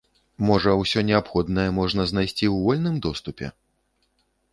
Можа, усё неабходнае можна знайсці ў вольным доступе?